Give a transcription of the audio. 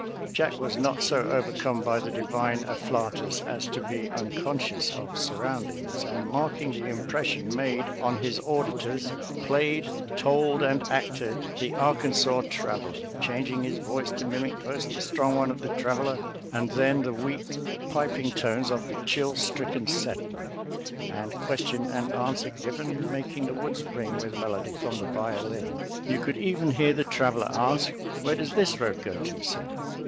Jack was not so overcome by the divine afflatus as to be unconscious of sur roundings, and marking the impression made on 188 SOLDIER'S LETTERS TO CHARMING NELLIE his auditors, played, told and acted "The Ar kansas Traveler "— changing his Toice to mimic first the strong one of the traveler, and then the weak, piping tones of the chill stricken set tler, and question and answer given, making the woods ring with melody from the violin. You could even hear the traveler ask, "Where does this road go to, sir?"